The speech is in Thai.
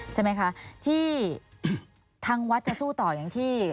ใช่ไหมคะที่ทางวัดจะสู้ต่ออย่างที่